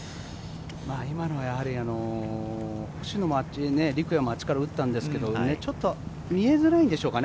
今のはやはり、陸也もあっちから打ったんですけど、見えづらいんでしょうかね。